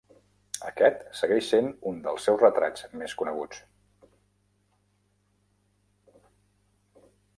Aquest segueix sent un dels seus retrats més coneguts.